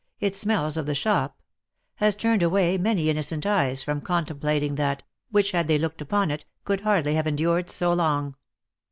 — it smells of the shop," has turned away many innocent eyes from contemplating that, which had they looked upon it, could hardly have endured so long.